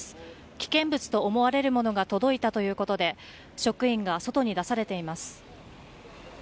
危険物とみられるものが届けられたということで職員が外に出されています。